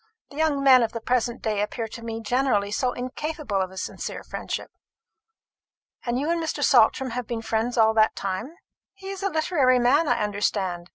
The young men of the present day appear to me generally so incapable of a sincere friendship. And you and Mr. Saltram have been friends all that time? He is a literary man, I understand.